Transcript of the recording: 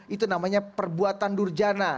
itu namanya perbuatan durjana